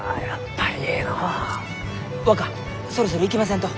若そろそろ行きませんと！